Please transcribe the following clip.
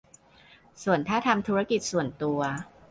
ส่วนถ้าทำธุรกิจส่วนตัว